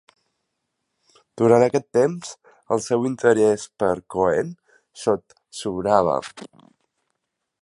Durant aquest temps, el seu interès per Cohen sotsobrava.